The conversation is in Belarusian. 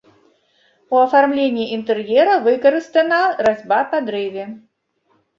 У афармленні інтэр'ера выкарыстана разьба па дрэве.